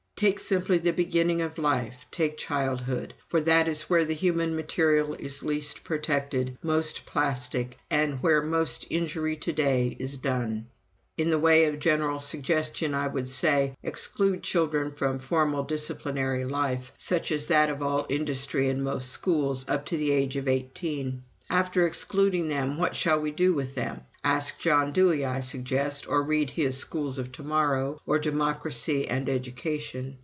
"Take simply the beginning of life, take childhood, for that is where the human material is least protected, most plastic, and where most injury to day is done. In the way of general suggestion, I would say, exclude children from formal disciplinary life, such as that of all industry and most schools, up to the age of eighteen. After excluding them, what shall we do with them? Ask John Dewey, I suggest, or read his 'Schools of To morrow,' or 'Democracy and Education.'